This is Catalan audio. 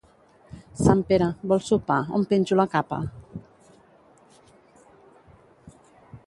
Sant Pere, vols sopar on penjo la capa?